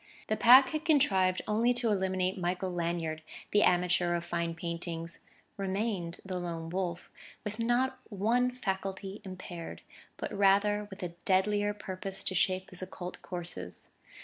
The Pack had contrived only to eliminate Michael Lanyard, the amateur of fine paintings; remained the Lone Wolf with not one faculty impaired, but rather with a deadlier purpose to shape his occult courses....